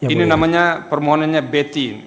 ini namanya permohonannya betty